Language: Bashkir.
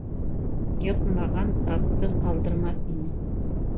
Йыҡмаған затты ҡалдырмаҫ ине.